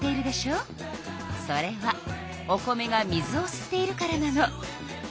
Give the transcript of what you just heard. それはお米が水をすっているからなの。